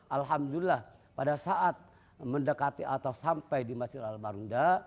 alhamdulillah pada saat mendekati atau sampai di masjid al marunda